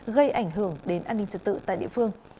gây ảnh hưởng đến an ninh trật tự tại địa phương